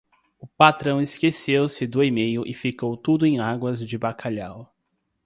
O patrão esqueceu-se do email e ficou tudo em águas de bacalhau.